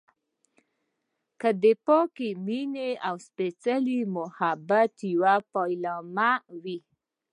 که د پاکې مينې او سپیڅلي محبت يوه پيلامه وي.